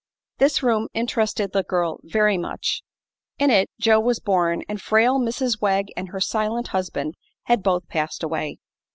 This room interested the girl very much. In it Joe was born and frail Mrs. Wegg and her silent husband had both passed away.